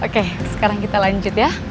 oke sekarang kita lanjut ya